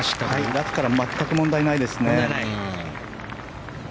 ラフから全く問題ないですね。